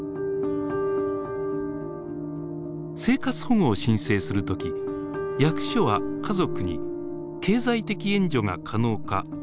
生活保護を申請する時役所は家族に経済的援助が可能か問い合わせをします。